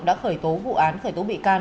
đã khởi tố vụ án khởi tố bị can